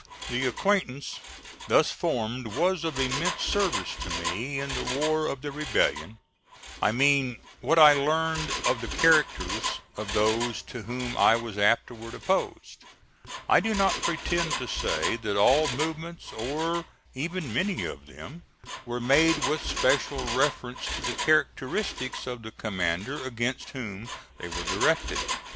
The acquaintance thus formed was of immense service to me in the war of the rebellion I mean what I learned of the characters of those to whom I was afterwards opposed. I do not pretend to say that all movements, or even many of them, were made with special reference to the characteristics of the commander against whom they were directed.